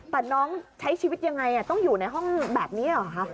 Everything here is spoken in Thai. แต่น้องใช้ชีวิตยังไงต้องอยู่ในห้องแบบนี้เหรอคะ